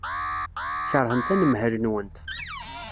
Tkeṛhemt anemhal-nwent.